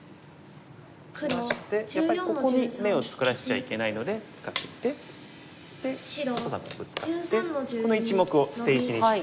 打ちましてやっぱりここに眼を作らせちゃいけないのでブツカっていて。でブツカってこの１目を捨て石にして。